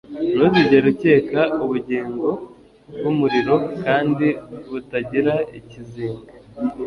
ntuzigere ukeka ubugingo bwumuriro kandi butagira ikizinga